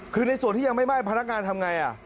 คือในส่วนที่ยังไม่ไหม้พนักงานทำไง